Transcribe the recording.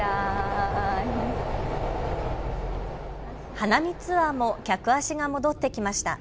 花見ツアーも客足が戻ってきました。